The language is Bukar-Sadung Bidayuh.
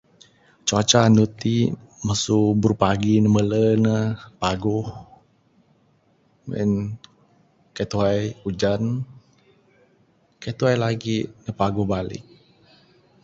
Cuaca anu ti masu barupagi ne mele ne paguh, meh en, kaik tuhai ujan, kaik tuhai lagi ne paguh balik.